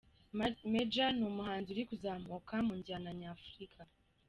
Majo ni umuhanzi uri kuzamuka mu njyana nyafurika.